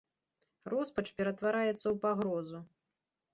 Роспач ператвараецца ў пагрозу.